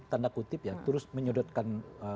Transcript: tanda kutip ya terus menyodotkan